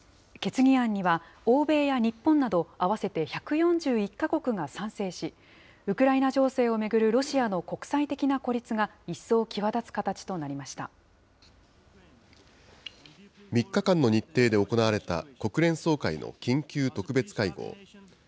決議案には、欧米や日本など、合わせて１４１か国が賛成し、ウクライナ情勢を巡るロシアの国際的な孤立が一層際立つ形となり３日間の日程で行われた国連総会の緊急特別会合。